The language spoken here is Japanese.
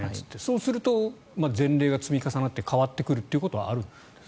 そうすると前例が積み重なって変わってくるということはあるんですか。